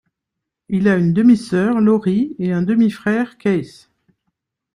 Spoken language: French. Il a une demi-sœur, Laurie et un demi-frère, Keith.